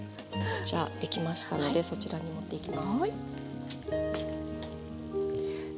じゃあできましたのでそちらに持っていきます。